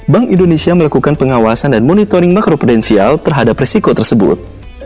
bank indonesia melakukan pengawasan dan monitoring makropudensial terhadap risiko tersebut